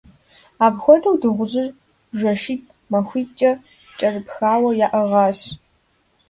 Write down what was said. Апхуэдэу дыгъужьыр жэщитӏ-махуитӏкӏэ кӏэрыпхауэ яӏыгъащ.